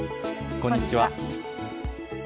こんにちは。